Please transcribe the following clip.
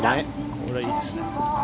これはいいですよ。